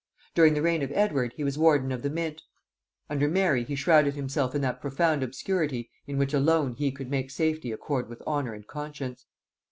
During the reign of Edward he was warden of the mint. Under Mary, he shrowded himself in that profound obscurity in which alone he could make safety accord with honor and conscience.